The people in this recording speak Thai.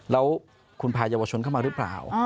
แล้วคุณพายาวชนเข้ามาหรือเปล่า